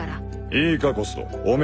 いいかコスト汚名